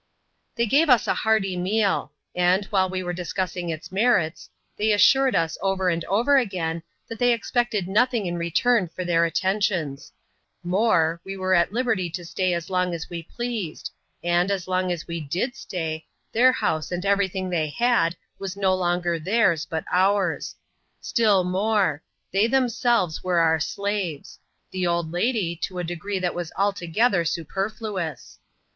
. They gave us a hearty medl ; and, while we were discussing its merits, they assured us, over and over again^ that they ex pected nothing in return for their attentions ; noore ; we were at liberty to stay as long as we pleased, and, as long as we did stay, their house and every thing they had, waa no longer tbeirs, but ours ; still more : they themselves were our slaves— r die old lady, to a degree that was altogether supeifiuoas.